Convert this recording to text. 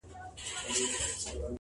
• د فتوحاتو یرغلونو او جنګونو کیسې..